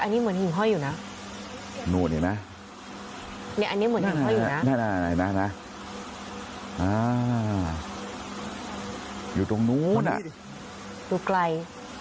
นี่ดูไกล